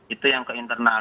itu yang ke internal